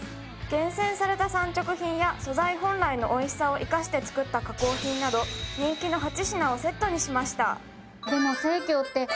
厳選された産直品や素材本来の美味しさを生かして作った加工品など人気の８品をセットにしました。